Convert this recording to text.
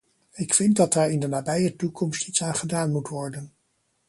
Ik vind dat daar in de nabije toekomst iets aan gedaan moet worden.